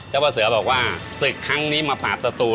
เจ้าพ่อเสือบอกว่าศึกครั้งนี้มาปาดประตู